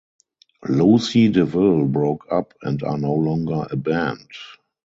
Lucy De Ville broke up and are no longer a band.